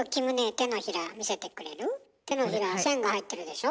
手のひら線が入ってるでしょ？